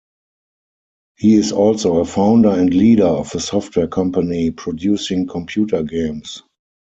He is also a founder and leader of a software company producing computer games.